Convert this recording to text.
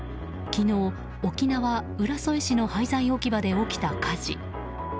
昨日、沖縄・浦添市の廃材置き場で起きた火事。